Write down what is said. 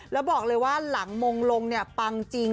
แล้วบอกเลยว่าหลังมงลงเนี่ยปังจริง